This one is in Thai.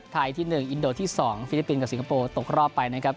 ภายที่หนึ่งอินโดว์ที่สองฟิลิปปินส์กับสิงคโปร์ตกรอบไปนะครับ